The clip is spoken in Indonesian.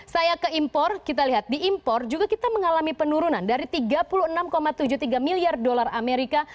saya ke impor kita lihat di impor juga kita mengalami penurunan dari tiga puluh enam tujuh puluh tiga miliar dolar amerika